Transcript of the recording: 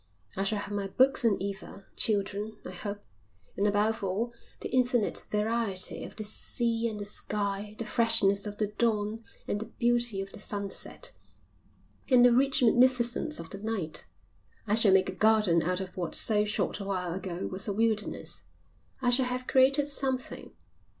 I shall have my books and Eva, children, I hope, and above all, the infinite variety of the sea and the sky, the freshness of the dawn and the beauty of the sunset, and the rich magnificence of the night. I shall make a garden out of what so short a while ago was a wilderness. I shall have created something.